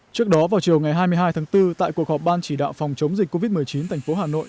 trước đó vào chiều ngày hai mươi hai tháng bốn tại cuộc họp ban chỉ đạo phòng chống dịch covid một mươi chín thành phố hà nội